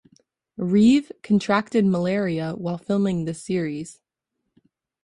Reeve contracted malaria while filming this series.